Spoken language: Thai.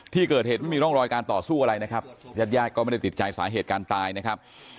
ที่เกิดเหตุไม่มีร่องรอยการต่อสู้อะไรนะครับญาติญาติก็ไม่ได้ติดใจสาเหตุการตายนะครับ